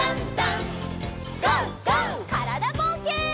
からだぼうけん。